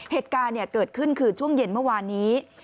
เหตุการณ์เกิดขึ้นคือช่วงเย็นเมื่อวานนี้